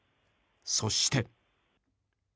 そして。